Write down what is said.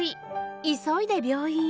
急いで病院へ